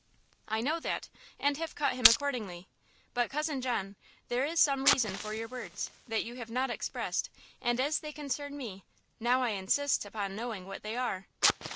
"I know that, and have cut him accordingly; but, Cousin John, there is some reason for your words, that you have not expressed; and as they concern me, now I insist upon knowing what they are!"